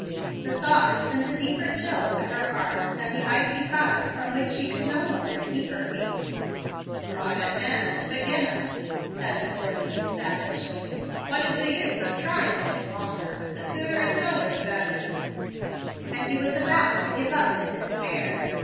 The thought sent a deeper chill to her heart than the icy tide from which she could no longer keep her feet. "God and man is agin us," said the oarsman, savagely. "What is the use of trying any longer! The sooner it's over the better"; and he was about to give up in despair.